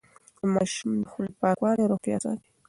د ماشوم د خولې پاکوالی روغتيا ساتي.